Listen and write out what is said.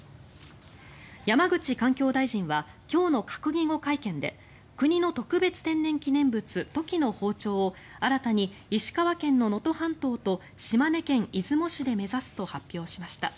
山口環境大臣は今日の閣議後会見で国の特別天然記念物トキの放鳥を新たに石川県の能登半島と島根県出雲市で目指すと発表しました。